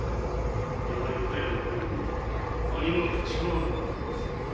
彼らの背後に何者か力ある者が居るはずだ。